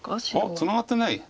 ツナがってない？